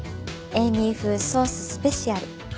エイミ風ソーススペシャル。